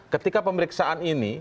ketika pemeriksaan ini